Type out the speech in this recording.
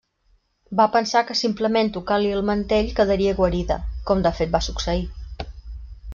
Va pensar que simplement tocant-li el mantell quedaria guarida, com de fet va succeir.